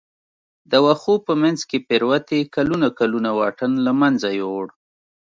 د وښو په منځ کې پروتې کلونه کلونه واټن له منځه یووړ.